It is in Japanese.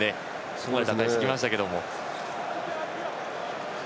ここまで打開してきましたけども。